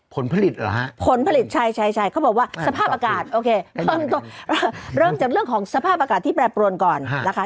ผลผลิตเหรอฮะผลผลิตใช่ใช่เขาบอกว่าสภาพอากาศโอเคเริ่มจากเรื่องของสภาพอากาศที่แปรปรวนก่อนนะคะ